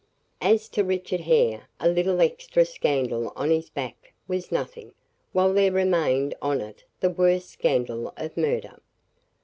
As to Richard Hare, a little extra scandal on his back was nothing, while there remained on it the worse scandal of murder."